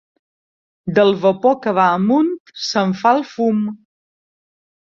Del vapor que va amunt se'n fa el fum.